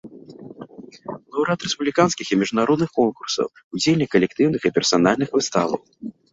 Лаўрэат рэспубліканскіх і міжнародных конкурсаў, удзельнік калектыўных і персанальных выставаў.